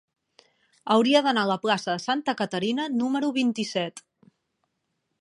Hauria d'anar a la plaça de Santa Caterina número vint-i-set.